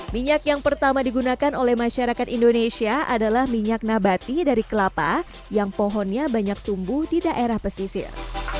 minyak yang pertama digunakan oleh masyarakat indonesia adalah minyak nabati dari kelapa yang pohonnya banyak tumbuh di daerah pesisir